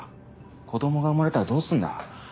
子供が生まれたらどうすんだ？